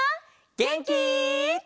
げんき？